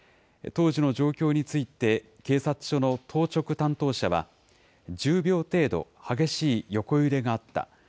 当時の状況について、警察署の当直担当者は、１０秒程度、激しい横揺れがあった。